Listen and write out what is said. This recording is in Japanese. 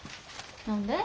何で？